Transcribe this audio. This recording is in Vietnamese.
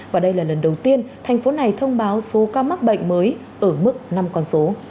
và đây là lần đầu tiên thành phố này thông báo số ca mắc bệnh mới ở mức năm con số